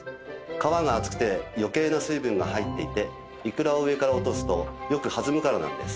皮が厚くて余計な水分が入っていていくらを上から落とすとよく弾むからなんです。